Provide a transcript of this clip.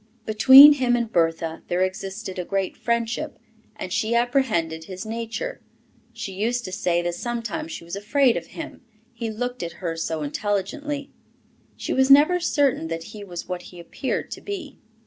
Between him and Bertha there existed a great friendship, and she apprehended his nature; she used to say that sometimes she was afraid of him, he looked at her so intelligently; she was never certain that he was what he appeared to be.